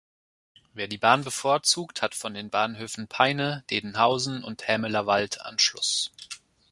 Wer die Bahn bevorzugt, hat von den Bahnhöfen Peine, Dedenhausen oder Hämelerwald Anschluss.